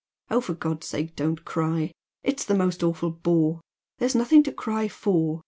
Oh, for God's sake don't cry! It's the most awful bore! There's nothing to cry for.